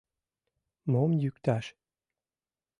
Мом йӱкташ